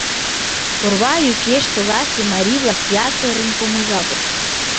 Орва йӱкеш селасе марий-влак ятырын помыжалтыч.